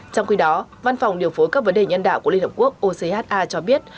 trong khi đó văn phòng điều phối các vấn đề nhân đạo của liên hợp quốc ocha cho biết